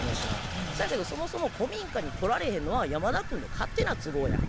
そやけどそもそも古民家に来られへんのは山田君の勝手な都合やん。